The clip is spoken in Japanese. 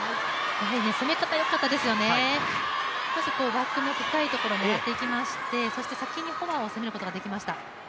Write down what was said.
攻め方よかったですよね、バックの深いところ狙っていきましてそして先にフォアを攻めることができました。